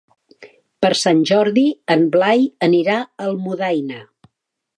Per Sant Jordi en Blai anirà a Almudaina.